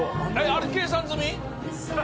あれ計算済み？